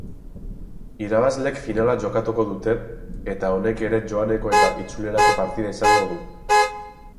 Irabazleek finala jokatuko dute eta honek ere joaneko eta itzulerako partida izango du.